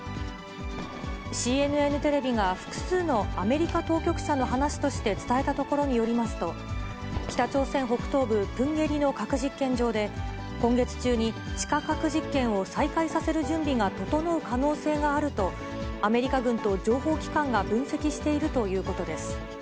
ＣＮＮテレビが複数のアメリカ当局者の話として伝えたところによりますと、北朝鮮北東部プンゲリの核実験場で、今月中に地下核実験を再開させる準備が整う可能性があると、アメリカ軍と情報機関が分析しているということです。